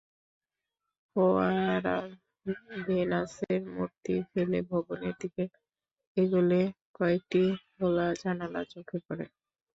ফোয়ারার ভেনাসের মূর্তি ফেলে ভবনের দিকে এগোলে কয়েকটি খোলা জানালা চোখে পড়ে।